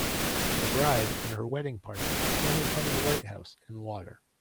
A bride and her wedding party stand in front of a lighthouse and water.